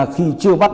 khi cung cấp